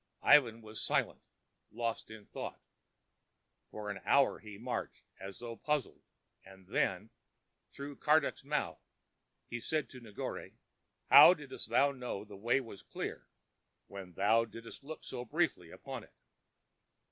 Ivan was silent, lost in thought. For an hour he marched, as though puzzled, and then, through Karduk's mouth, he said to Negore: "How didst thou know the way was clear when thou didst look so briefly upon it?"